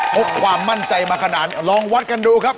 ความมั่นใจมาขนาดลองวัดกันดูครับ